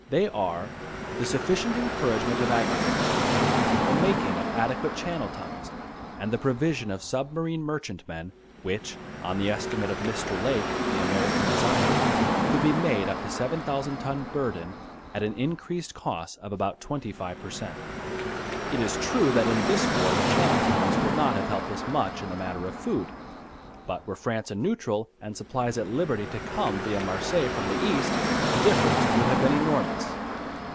They are the sufficient encouragement of agriculture, the making of adequate Channel tunnels, and the provision of submarine merchantmen, which, on the estimate of Mr. Lake, the American designer, could be made up to 7,000 ton burden at an increased cost of about 25 per cent. It is true that in this war the Channel tunnels would not have helped us much in the matter of food, but were France a neutral and supplies at liberty to come via Marseilles from the East, the difference would have been enormous.